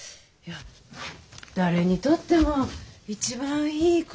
誰にとっても一番いいことなわけやし。